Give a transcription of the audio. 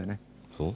そう？